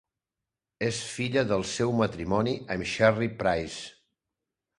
És filla del seu matrimoni amb Cherry Price.